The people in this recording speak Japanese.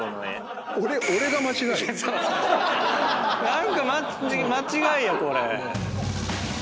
何か間違いやこれ。